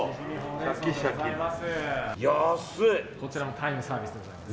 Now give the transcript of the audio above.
タイムサービスでございます。